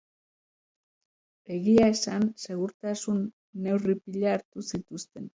Egia esan, segurtasun neurri pila hartu zituzten.